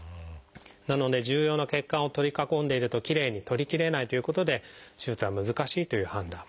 なので重要な血管を取り囲んでいるときれいに取りきれないということで手術は難しいという判断。